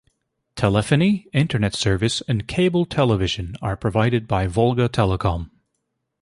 Telephony, Internet service, and cable television are provided by VolgaTelecom.